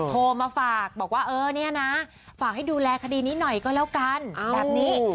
โทรมาฝากบอกว่าเออเนี่ยนะฝากให้ดูแลคดีนี้หน่อยก็แล้วกันแบบนี้